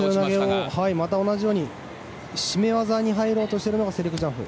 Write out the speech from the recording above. また同じように絞め技に入ろうとしているのがセリクジャノフ。